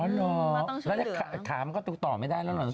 อ๋อหรอแล้วถ้าขามันก็ตรงต่อไม่ได้แล้วหรออาทิตย์